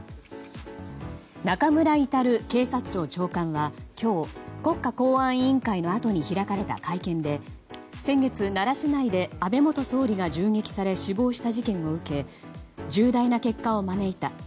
中村格警察庁長官は今日、国家公安委員会のあとに開かれた会見で先月、奈良市内で安倍元総理が銃撃され死亡した事件を受け重大な結果を招いた。